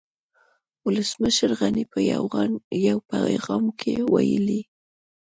ولسمشر غني په يو پيغام کې ويلي